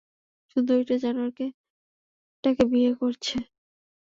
সুন্দরিটা জানোয়ারটাকে বিয়ে করেছে।